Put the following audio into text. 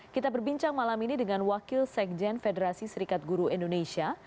kita berbincang malam ini dengan wakil sekjen federasi serikat guru indonesia